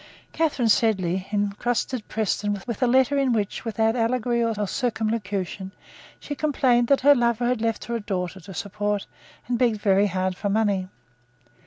Catharine Sedley entrusted Preston with a letter in which, without allegory or circumlocution, she complained that her lover had left her a daughter to support, and begged very hard for money.